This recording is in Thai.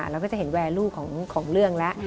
เราก็จะเห็นแวร์ลูกของเรื่องแล้ว